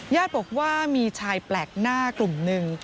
ญาติบอกว่ามีชายแปลกหน้ากลุ่มหนึ่ง